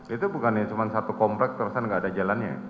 itu bukan ya cuma satu komplek terus kan enggak ada jalannya